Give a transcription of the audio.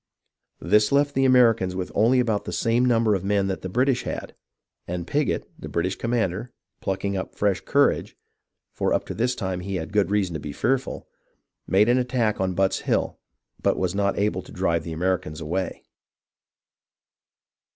This left the Americans with only about the same number of men that the British had ; and Pigot, the British commander, plucking up fresh courage, — for up to this time he had good reason to be fearful, — made an attack on Butt's Hill, but was not able to drive the Americans away.